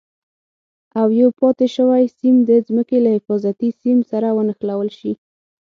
او یو پاتې شوی سیم د ځمکې له حفاظتي سیم سره ونښلول شي.